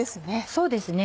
そうですね。